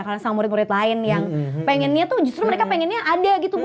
karena sama murid murid lain yang pengennya tuh justru mereka pengennya ada gitu